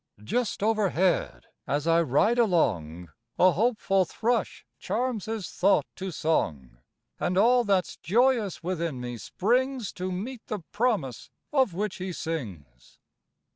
Just overhead as I ride along A hopeful thrush charms his thought to song, And all that's joyous within me springs To meet the promise of which he sings.